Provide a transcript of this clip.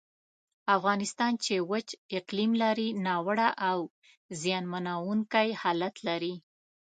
افغانستان چې وچ اقلیم لري، ناوړه او زیانمنونکی حالت لري.